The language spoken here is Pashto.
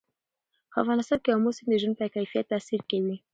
په افغانستان کې آمو سیند د ژوند په کیفیت تاثیر کوي.